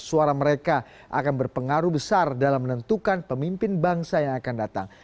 suara mereka akan berpengaruh besar dalam menentukan pemimpin bangsa yang akan datang